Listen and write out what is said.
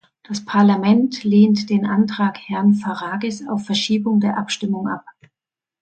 Das Parlament lehnt den Antrag Herrn Farages auf Verschiebung der Abstimmung ab.